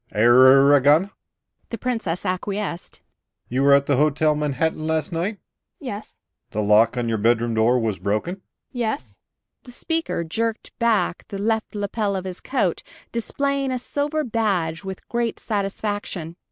"You are Miss M. T. Ar r ragan?" The Princess acquiesced. "You was at the Hotel Manhattan last night?" "Yes." "The lock on your bedroom door was broken?" "Yes?" The speaker jerked back the left lapel of his coat, displaying a silver badge with great satisfaction.